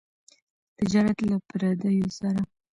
تجارت له پرديو سره.